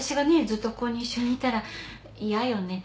ずっとここに一緒にいたら嫌よね？